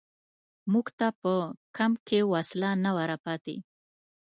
موږ ته په کمپ کې وسله نه وه را پاتې.